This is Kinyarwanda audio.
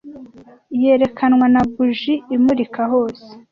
yerekanwa na buji imurika hose